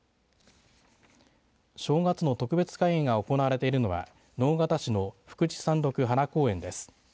正月の特別開園が行われているのは直方市の福智山ろく花公園です。